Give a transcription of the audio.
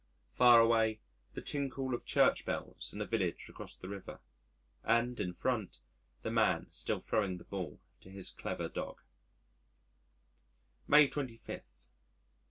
Far away the tinkle of Church bells in a village across the river, and, in front, the man still throwing the ball to his clever dog.